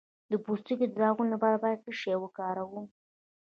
د پوستکي د داغونو لپاره باید څه شی وکاروم؟